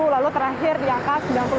lalu terakhir diangka sembilan puluh empat